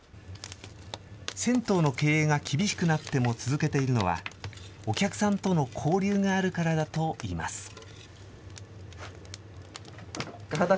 銭湯の経営が厳しくなっても続けているのは、お客さんとの交流があるからだといいます。